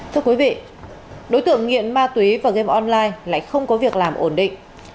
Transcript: thưa quý vị đối tượng nghiện ma túy và game online lại không có việc làm ổn định